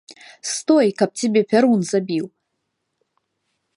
Стой, каб цябе пярун забіў!